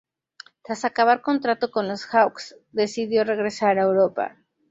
Tras acabar contrato con los Hawks, decidió regresar a Europa.